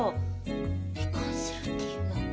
離婚するっていうの？